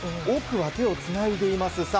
奥は手をつないでいます。